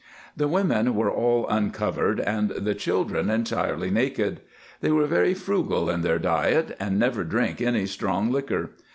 The women were all uncovered, and the children entirely naked. They are very frugal in their diet, and never drink any strong liquor.